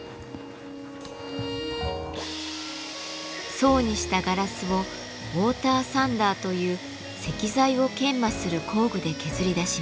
層にしたガラスをウォーターサンダーという石材を研磨する工具で削り出します。